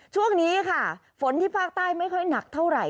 ช่วงนี้ค่ะฝนที่ภาคใต้ไม่ค่อยหนักเท่าไหร่